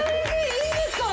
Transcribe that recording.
いいんですか？